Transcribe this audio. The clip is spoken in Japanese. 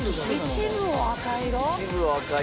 一部を赤色。